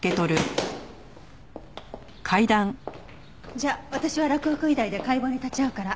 じゃあ私は洛北医大で解剖に立ち会うから。